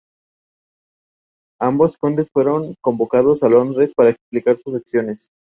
A su muerte, Sparhawk-Jones realizó varias pinturas en su memoria.